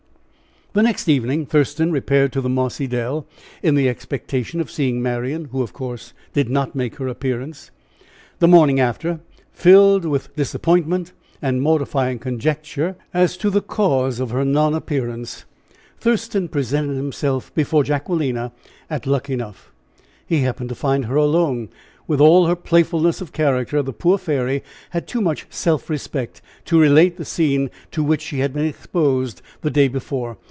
The next evening Thurston repaired to the mossy dell in the expectation of seeing Marian, who, of course, did not make her appearance. The morning after, filled with disappointment and mortifying conjecture as to the cause of her non appearance, Thurston presented himself before Jacquelina at Luckenough. He happened to find her alone. With all her playfulness of character, the poor fairy had too much self respect to relate the scene to which she had been exposed the day before.